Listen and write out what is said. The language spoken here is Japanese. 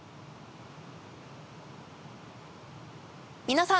皆さん